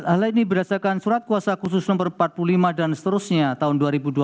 hal ini berdasarkan surat kuasa khusus no empat puluh lima dan seterusnya tahun dua ribu dua puluh